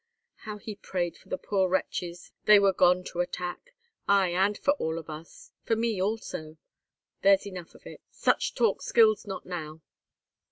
How he prayed for the poor wretches they were gone to attack!—ay, and for all of us—for me also—There's enough of it. Such talk skills not now."